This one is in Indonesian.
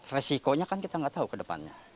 resikonya kan kita nggak tahu ke depannya